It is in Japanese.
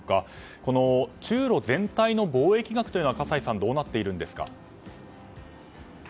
この中ロ全体の貿易額は葛西さん、どうなっていますか？